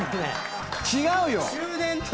違うよ！